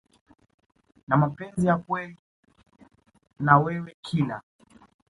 na mapenzi ya kweli na wewe Kila